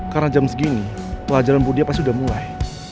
karena jam segini pelajaran budiap pasti udah mulai